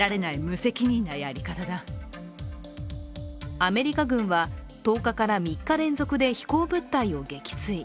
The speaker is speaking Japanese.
アメリカ軍は１０日から３日連続で飛行物体を撃墜。